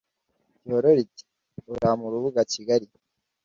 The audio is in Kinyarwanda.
gihororo iti : urampe urubuga kigali